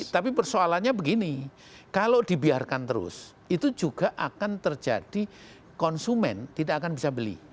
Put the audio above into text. tapi persoalannya begini kalau dibiarkan terus itu juga akan terjadi konsumen tidak akan bisa beli